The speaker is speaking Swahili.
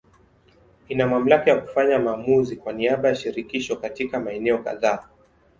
Ina mamlaka ya kufanya maamuzi kwa niaba ya Shirikisho katika maeneo kadhaa.